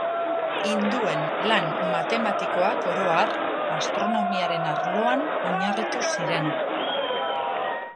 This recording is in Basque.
Hinduen lan matematikoak, oro har, astronomiaren arloan oinarritu ziren.